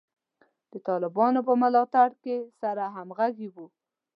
د طالبانو په ملاتړ کې سره همغږي وو.